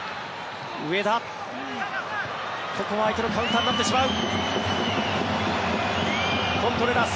ここは相手のカウンターになってしまう。